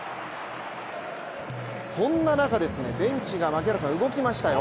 そんな中、ベンチが動きましたよ。